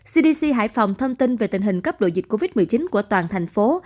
cdc hải phòng thông tin về tình hình cấp độ dịch covid một mươi chín của toàn thành phố